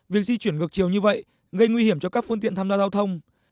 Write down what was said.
việc di chuyển ngược chiều như vậy gây nguy hiểm cho các phương tiện tham gia giao thông